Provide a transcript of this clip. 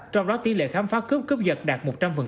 trong đó tỷ lệ khám phá cướp cướp giật đạt một trăm linh